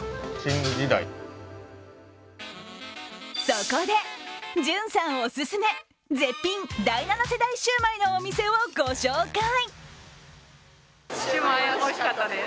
そこで、潤さんおすすめ絶品第７世代シュウマイのお店をご紹介。